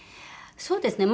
そうですね。